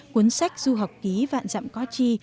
cuốn sách du học ký vạn dặm có chi